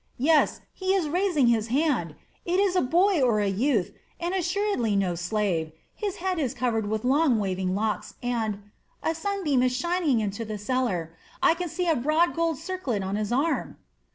Yes, he is raising his hand. It is a boy or a youth, and assuredly no slave; his head is covered with long waving locks, and a sunbeam is shining into the cellar I can see a broad gold circlet on his arm."